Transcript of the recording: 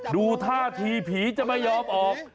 ดูท่าทีผีจะไม่ยอมออก